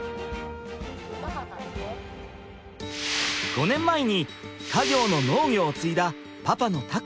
５年前に家業の農業を継いだパパの琢也さん。